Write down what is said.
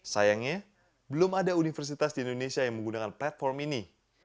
sayangnya belum ada universitas di indonesia yang menggunakan platform ini